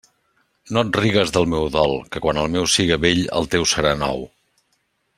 No et rigues del meu dol, que quan el meu siga vell el teu serà nou.